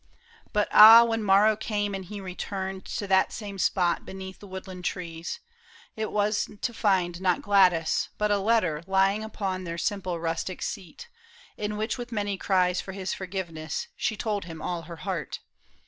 But ah, when morrow came and he returned To that same spot beneath the woodland trees. It was to find not Gladys, but a letter Lying upon their simple rustic seat, In which with many cries for his forgiveness. She told him all her heart.